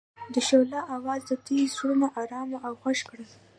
د شعله اواز د دوی زړونه ارامه او خوښ کړل.